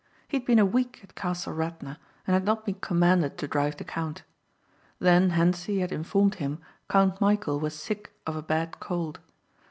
He had been a week at Castle Radna and had not been commanded to drive the count. Then Hentzi had informed him Count Michæl was sick of a bad cold.